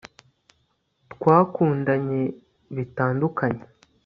twakundanye bitandukanye